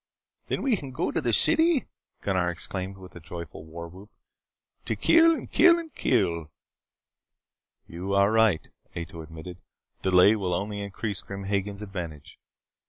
"Then we can go to the city?" Gunnar exclaimed with a joyful war whoop. "To kill, and kill, and kill " "You are right," Ato admitted. "Delay will only increase Grim Hagen's advantage.